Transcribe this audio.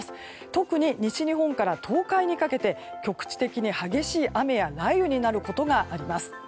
特に西日本から東海にかけて局地的に激しい雨や雷雨になることがあります。